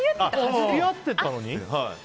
付き合ってたのに？